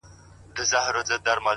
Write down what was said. ځکه ډلي جوړوي د شریکانو!.